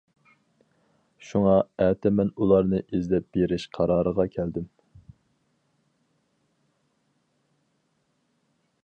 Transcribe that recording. شۇڭا ئەتە مەن ئۇلارنى ئىزدەپ بېرىش قارارىغا كەلدىم.